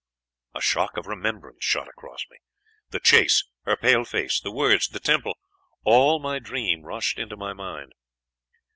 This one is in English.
"A shock of remembrance shot across me. The chase, her pale face, the words, the temple all my dream rushed into my mind.